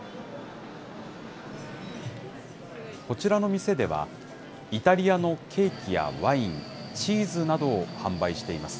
こちらの店では、イタリアのケーキやワイン、チーズなどを販売しています。